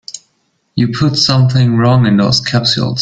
You put something wrong in those capsules.